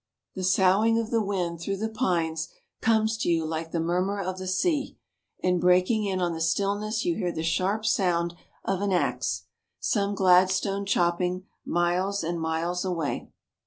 The soughing of the wind through the pines comes to you like the murmur of the sea, and breaking in on the stillness you hear the sharp sound of an ax some Gladstone chopping, miles and miles away.